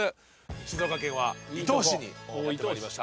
静岡県は伊東市にやって参りました。